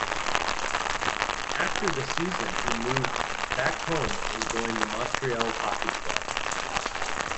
After the season, he moved back home and joined the Montreal Hockey Club.